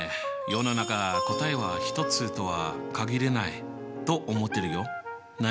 世の中答えはひとつとは限らないと思ってるよ。